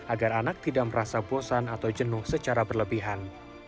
agar anak tidak merasa bosan atau jenuh secara berlebihan